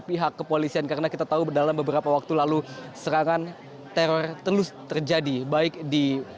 pihak kepolisian karena kita tahu dalam beberapa waktu lalu serangan teror terus terjadi baik di